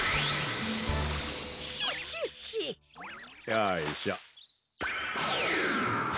よいしょ。